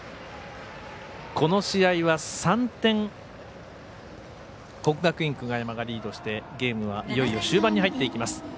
この試合は３点国学院久我山がリードして、ゲームはいよいよ終盤に入っていきます。